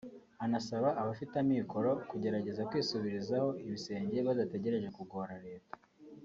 anasaba abafite amikoro kugerageza kwisubirizaho ibisenge badategereje kugora Leta